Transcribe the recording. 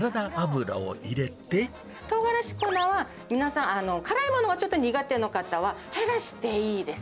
トウガラシ粉は皆さん、辛いものがちょっと苦手の方は減らしていいです。